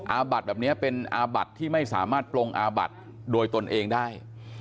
อาบัดแบบนี้เป็นอาบัดที่ไม่สามารถปลงอาบัดโดยตนเองได้